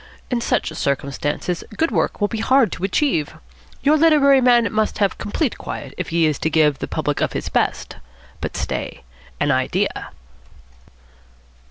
In such circumstances good work will be hard to achieve. Your literary man must have complete quiet if he is to give the public of his best. But stay. An idea!"